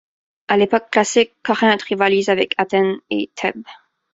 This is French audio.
À l'époque classique, Corinthe rivalise avec Athènes et Thèbes.